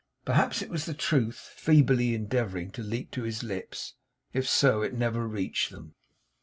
Perhaps it was the Truth feebly endeavouring to leap to his lips. If so, it never reached them.